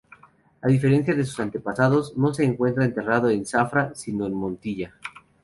A diferencia de sus antepasados, no se encuentra enterrado en Zafra sino en Montilla.